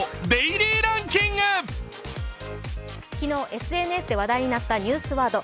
昨日ＳＮＳで話題になったニュースワード。